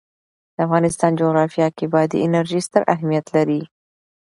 د افغانستان جغرافیه کې بادي انرژي ستر اهمیت لري.